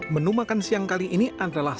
menu makan siang kali ini adalah